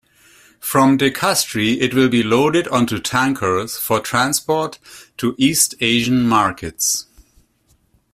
From De-Kastri it will be loaded onto tankers for transport to East Asian markets.